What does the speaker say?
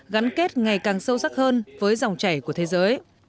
đẩy mạnh hợp tác hơn với dòng chảy của thế giới